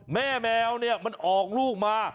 แมวเนี่ยมันออกลูกมา